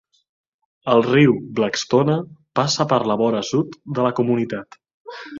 El riu Blackstone passa per la vora sud de la comunitat.